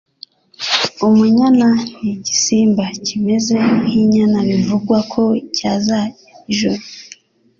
Umunyana n'igisimba kimeze nk'inyana bivugwa ko cyazaga nijoro,